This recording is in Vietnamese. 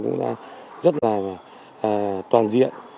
cũng đã rất là toàn diện